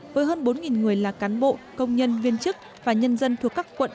với hơn bốn người là cán bộ công nhân viên chức và nhân dân thuộc các quận